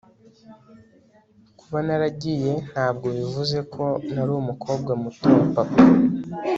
kuba naragiye ntabwo bivuze ko ntari umukobwa muto wa papa